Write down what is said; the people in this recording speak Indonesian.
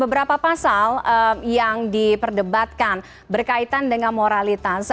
beberapa pasal yang diperdebatkan berkaitan dengan moralitas